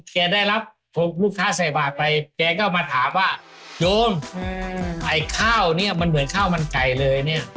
แกได้รับลูกค้าใส่บาทไปแกก็มาถามว่าโยมไอ้ข้าวเนี่ยมันเหมือนข้าวมันไก่เลยเนี่ย